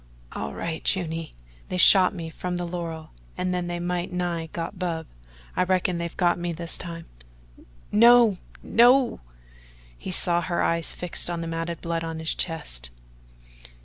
"All right, Juny. They shot me from the laurel and they might nigh got Bub. I reckon they've got me this time." "No no!" He saw her eyes fixed on the matted blood on his chest.